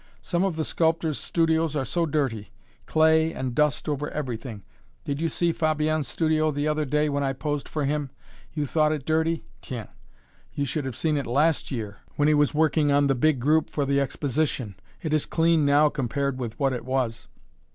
Some of the sculptors' studios are so dirty clay and dust over everything! Did you see Fabien's studio the other day when I posed for him? You thought it dirty? Tiens! you should have seen it last year when he was working on the big group for the Exposition! It is clean now compared with what it was.